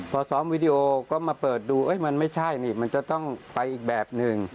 พอซ้อมวิดีโอก็มาเปิดดูมันไม่ใช่นี่มันจะต้องไปอีกแบบหนึ่ง